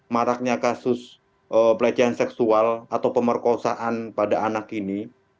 maraknya kasus pelecehan seksual atau pemerkosaan pada anak ini